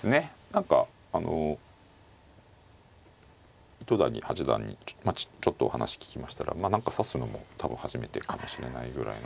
何かあの糸谷八段にちょっとお話聞きましたらまあ何か指すのも多分初めてかもしれないぐらいの。